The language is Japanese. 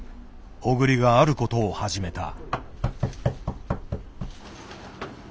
小栗があることを始めた。